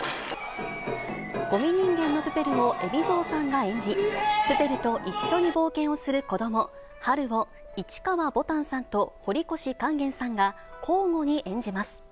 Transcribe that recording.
ごみ人間のプペルを海老蔵さんが演じ、プペルと一緒に冒険する子ども、はるを、市川ぼたんさんと堀越勸玄さんが交互に演じます。